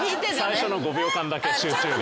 最初の５秒間だけ集中が。